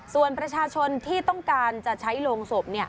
ส่วนประชาชนที่ต้องการจะใช้โรงศพ